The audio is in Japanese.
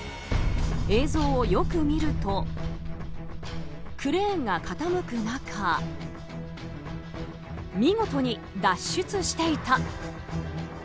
映像をよく見るとクレーンが傾く中見事に脱出していた！